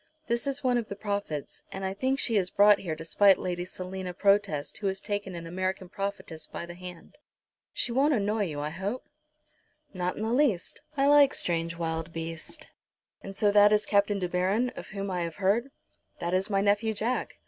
This is one of the prophets, and I think she is brought here to spite Lady Selina Protest who has taken an American prophetess by the hand. She won't annoy you, I hope?" "Not in the least. I like strange wild beasts. And so that is Captain De Baron, of whom I have heard?" "That is my nephew, Jack.